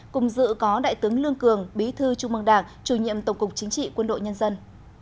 cùng dự có đại tướng lương cường bí thư trung mương đảng chủ nhiệm tổng cục chính trị quân đội nhân dân